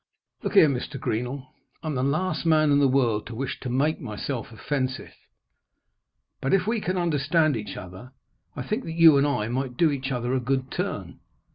"Look here, Mr. Greenall, I'm the last man in the world to wish to make myself offensive, but if we can understand each other I think that you and I might do each other a good turn.